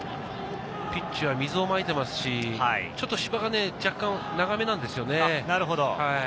ピッチは水をまいていますし、ちょっと芝が若干長めなんですよね。